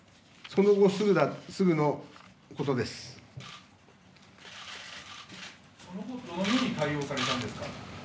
その後、どのように対応されたんですか。